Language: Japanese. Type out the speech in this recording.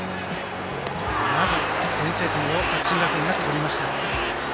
まず先制点を作新学院が取りました。